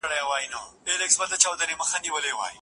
دویني ډول د ناروغیو مخنیوی اسانوي.